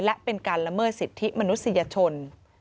และเป็นการละเมิดสิทธิมนุษยชน